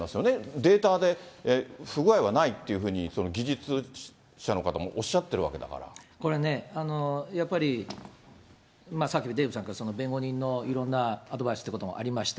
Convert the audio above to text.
データで不具合はないっていうふうに技術者の方もおっしゃってるこれね、やっぱり、さっきデーブさんから、その弁護人のいろんなアドバイスということもありました。